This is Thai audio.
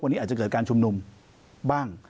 วันนี้อาจจะเกิดการชุมนุมบ้าง